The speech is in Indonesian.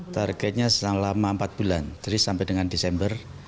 targetnya selama empat bulan jadi sampai dengan desember